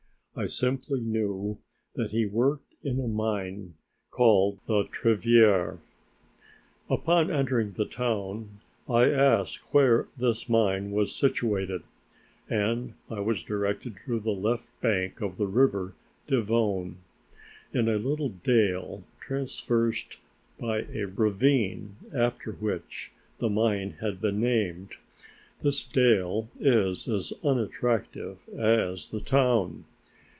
I simply knew that he worked in a mine called the "Truyère." Upon entering the town I asked where this mine was situated, and I was directed to the left bank of the river Divonne, in a little dale, traversed by a ravine, after which the mine had been named. This dale is as unattractive as the town.